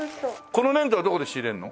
この粘土はどこで仕入れるの？